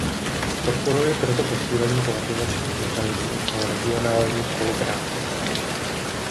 Podporuji proto posílení koordinačních mechanismů pro regionální spolupráci.